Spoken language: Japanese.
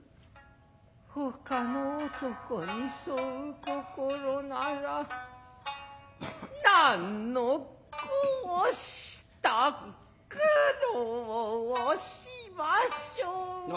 外の男にそう心なら何のこうした苦労をしましょう。